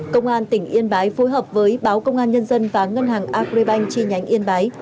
công an tỉnh yên bái phối hợp với báo công an nhân dân và ngân hàng agribank chi nhánh yên bái